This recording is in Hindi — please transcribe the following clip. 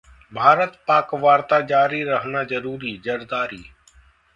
भारत-पाक वार्ता जारी रहना जरूरी: जरदारी